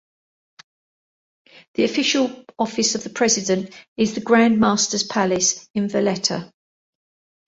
The official office of the president is the Grandmaster's Palace in Valletta.